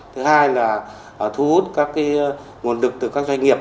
thứ hai là thu hút các nguồn lực từ các doanh nghiệp